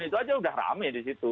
itu saja sudah ramai di situ